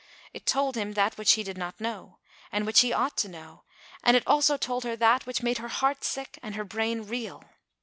It told him that which he did not know, and which he ought to know, and it also told her that, which made her heart sick and her brain reel.